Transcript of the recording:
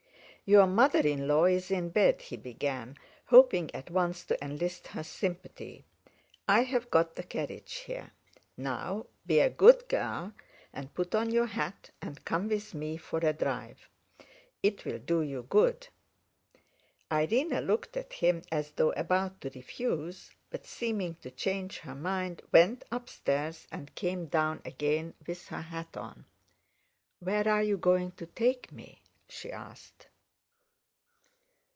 "Your mother in law's in bed," he began, hoping at once to enlist her sympathy. "I've got the carriage here. Now, be a good girl, and put on your hat and come with me for a drive. It'll do you good!" Irene looked at him as though about to refuse, but, seeming to change her mind, went upstairs, and came down again with her hat on. "Where are you going to take me?" she asked.